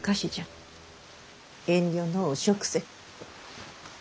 遠慮のう食せ。